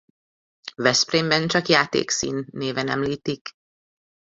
Veszprémben csak Játékszín néven említik.